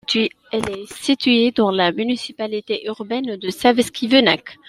Elle est située dans la municipalité urbaine de Savski venac.